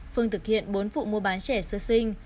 phương thực hiện bốn vụ mua bán trẻ sơ sinh